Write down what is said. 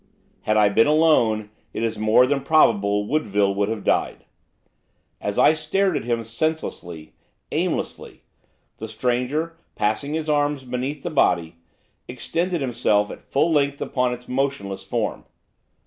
Had I been alone, it is more than probable Woodville would have died. As I stared at him, senselessly, aimlessly, the stranger, passing his arms beneath his body, extended himself at full length upon his motionless form.